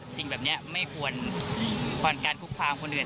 สิ่งแบบนี้ไม่ควรการคุกคามคนอื่น